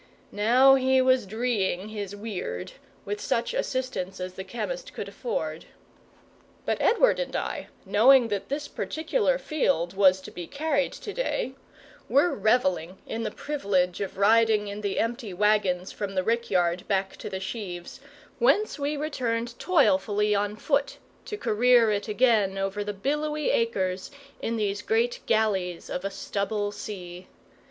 Now he was dreeing his weird, with such assistance as the chemist could afford. But Edward and I, knowing that this particular field was to be carried to day, were revelling in the privilege of riding in the empty waggons from the rickyard back to the sheaves, whence we returned toilfully on foot, to career it again over the billowy acres in these great galleys of a stubble sea.